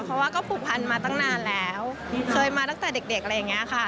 เพราะว่าก็ผูกพันมาตั้งนานแล้วเคยมาตั้งแต่เด็กอะไรอย่างนี้ค่ะ